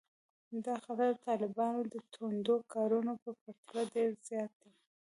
دا خطر د طالبانو د توندو کارونو په پرتله ډېر زیات دی